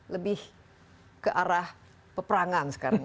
lebih ke arah peperangan sekarang